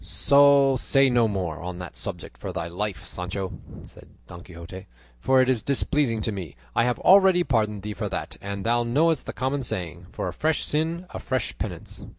"Say no more on that subject for thy life, Sancho," said Don Quixote, "for it is displeasing to me; I have already pardoned thee for that, and thou knowest the common saying, 'for a fresh sin a fresh penance.